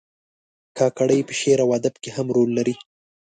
کاکړي په شعر او ادب کې هم رول لري.